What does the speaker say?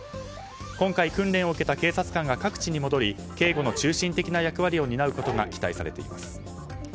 今回、訓練を受けた警察官が各地に戻り警護の中心的な役割を担うことが期待されています。